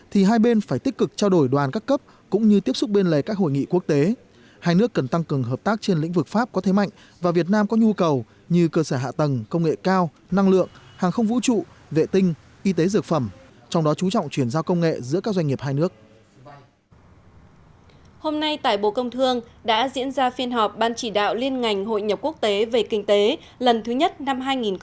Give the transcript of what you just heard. hôm nay tại bộ công thương đã diễn ra phiên họp ban chỉ đạo liên ngành hội nhập quốc tế về kinh tế lần thứ nhất năm hai nghìn một mươi bảy